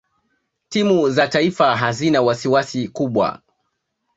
timu za taifa hazina wasiwasi kubwa